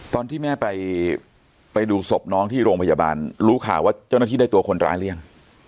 ตอนที่แม่ไปดูศพน้องที่โรงพยาบาลรู้ข่าวว่าเจ้าหน้าที่ได้ตัวคนร้ายหรือยัง